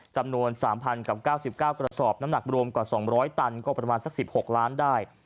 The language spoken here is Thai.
จำนวน๓๐๐กับ๙๙กระสอบน้ำหนักรวมกว่า๒๐๐ตันก็ประมาณสัก๑๖ล้านได้